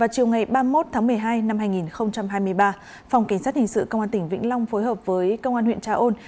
chiều ba mươi một một mươi hai hai nghìn hai mươi ba phòng kiến sát hình sự công an tỉnh vĩnh long phối hợp với công an huyện trà ôn